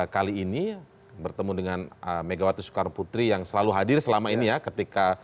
kali ini bertemu dengan megawati soekarno putri yang selalu hadir selama ini ya ketika